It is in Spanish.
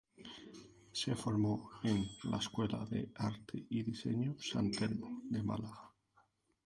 Se formó en la Escuela de Arte y Diseño San Telmo de Málaga.